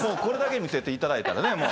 これだけ見せていただいたらね。